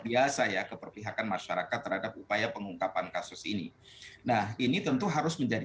biasa ya keperpihakan masyarakat terhadap upaya pengungkapan kasus ini nah ini tentu harus menjadi